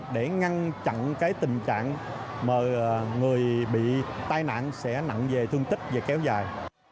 để ngăn chặn tình trạng người bị tai nạn sẽ nặng về thương tích về kéo dài